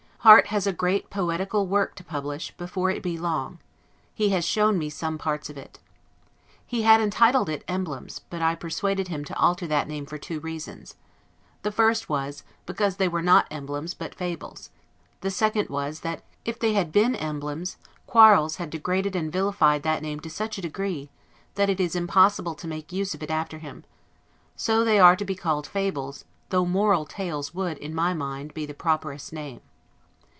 Harte has a great poetical work to publish, before it be long; he has shown me some parts of it. He had entitled it "Emblems," but I persuaded him to alter that name for two reasons; the first was, because they were not emblems, but fables; the second was, that if they had been emblems, Quarles had degraded and vilified that name to such a degree, that it is impossible to make use of it after him; so they are to be called fables, though moral tales would, in my mind, be the properest name.